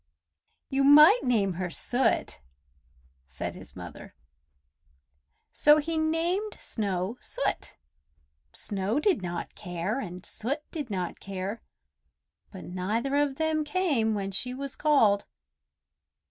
"You might name her Soot!" said his mother. So he named Snow Soot. Snow did not care, and Soot did not care, but neither of them came when she was called.